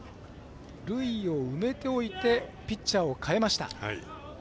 塁を埋めておいてピッチャーを代えました。